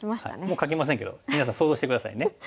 もう描きませんけど皆さん想像して下さいね。